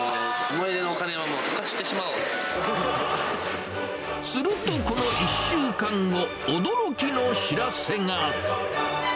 思い出のお金はもうとかしてするとこの１週間後、驚きの知らせが。